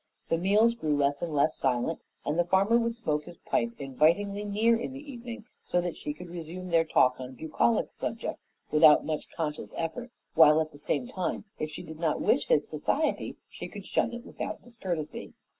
The meals grew less and less silent, and the farmer would smoke his pipe invitingly near in the evening so that she could resume their talk on bucolic subjects without much conscious effort, while at the same time, if she did not wish his society, she could shun it without discourtesy.